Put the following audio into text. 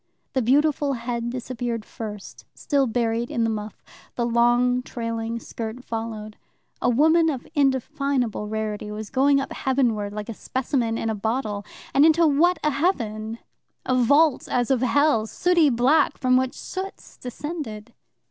The beautiful head disappeared first, still buried in the muff, the long trailing skirt followed. A woman of undefinable rarity was going up heaven ward, like a specimen in a bottle. And into what a heaven a vault as of hell, sooty black, from which soots descended!